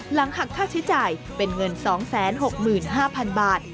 หลังหักค่าใช้จ่ายเป็นเงิน๒๖๕๐๐๐บาท